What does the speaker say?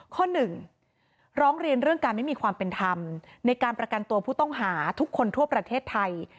ข้อหนึ่งร้องเรียนเรื่องการไม่มีความเป็นธรรมในการประกันตัวผู้ต้องหาทุกคนทั่วประเทศไทย